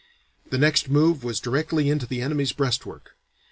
The next move was directly into the enemy's breastwork.